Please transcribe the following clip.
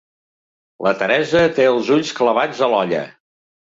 La Teresa té els ulls clavats a l'olla.